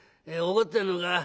怒ってんのか？